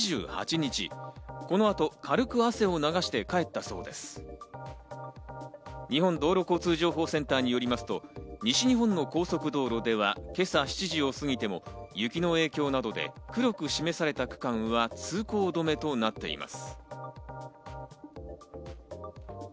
日本道路交通情報センターによりますと、西日本の高速道路では今朝７時を過ぎても雪の影響などで黒く示された区間は通行止めとなっています。